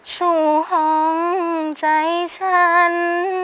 สู่ห้องใจฉัน